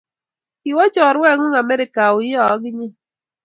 Kiwo chorwet ngung Amerika auyo akinye?